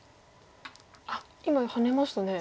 あっ今ハネましたね。